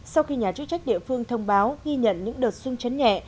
sau khi nhà chức trách địa phương thông báo ghi nhận những đợt sung chấn nhẹ